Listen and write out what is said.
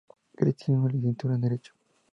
Gracie tiene una licenciatura en derecho.